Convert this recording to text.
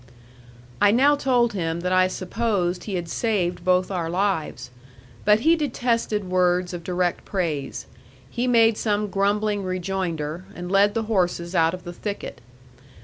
I now told him that I supposed he had saved both our lives. But he detested words of direct praise. He made some grumbling rejoinder, and led the horses out of the thicket.